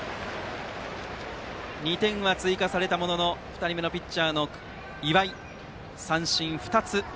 ２点は追加されたものの２人目のピッチャーの岩井は三振２つ。